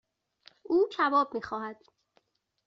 او کباب میخواهد.